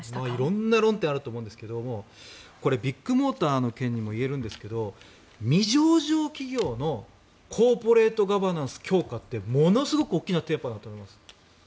色んな論点あると思うんですけどもビッグモーターの件にも言えるんですけど未上場企業のコーポレートガバナンス強化ってものすごく大きなテーマだと思います。